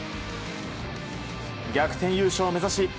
逆転優勝を目指し